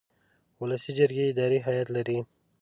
ولسي جرګې اداري هیئت لري.